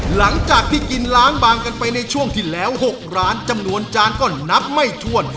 หลังจากที่กินล้างบางกันไปในช่วงที่แล้ว๖ร้านจำนวนจานก็นับไม่ถ้วน